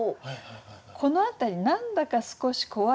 この辺り「なんだか少し怖いけど」